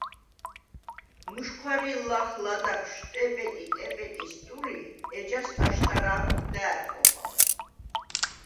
მუჟჴვარი̄ლ ლახ ლადაღშვ “ტეპეტი-ტეპეტი”-ს ტული, ეჯას აშთა̄რაღად და̄̈რ ხოხალ.